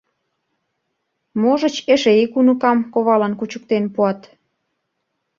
Можыч, эше ик уныкам ковалан кучыктен пуат.